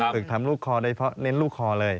ฝึกทำลูกคอโดยเฉพาะเน้นลูกคอเลย